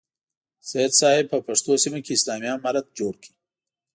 سید صاحب په پښتنو سیمه کې اسلامي امارت جوړ کړ.